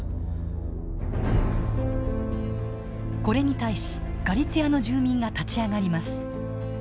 これに対しガリツィアの住民が立ち上がります。